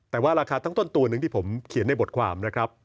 แต่ว่าราคาทั้งต้นตัวหนึ่งที่ผมเขียนในบทความนะครับ